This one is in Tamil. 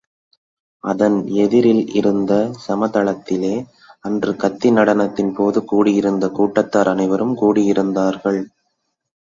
அதன் எதிரில் இருந்த சமதளத்திலே, அன்று கத்தி நடனத்தின்போது கூடியிருந்த கூட்டத்தார் அனைவரும் கூடியிருந்தார்கள்.